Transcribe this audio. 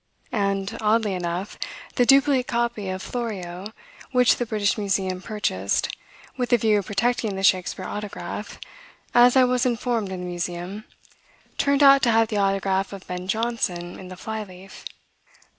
And, oddly enough, the duplicate copy of Florio, which the British Museum purchased, with a view of protecting the Shakspeare autograph (as I was informed in the Museum), turned out to have the autograph of Ben Jonson in the fly leaf.